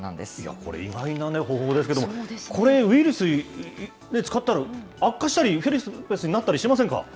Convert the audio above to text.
これ、意外な方法ですけども、これ、ウイルス使ったら悪化したり、ヘルペスになったりしませんか？